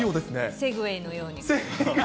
セグウェイのように？